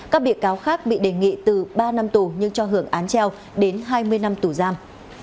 các bị cáo khác bị đề nghị từ ba năm tù nhưng cho hưởng án treo đến hai mươi năm tù giam